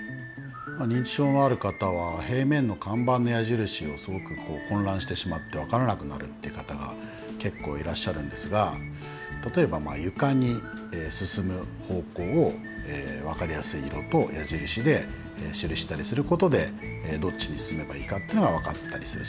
認知症のある方は平面の看板の矢印をすごく混乱してしまって分からなくなるっていう方が結構いらっしゃるんですが例えば床に進む方向を分かりやすい色と矢印で記したりすることでどっちに進めばいいかっていうのが分かったりする。